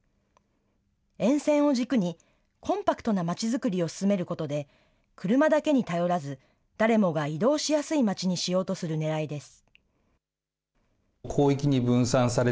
沿線を軸にコンパクトなまちづくりを進めることで、車だけに頼らず、誰もが移動しやすいまちにしようとするねらいです。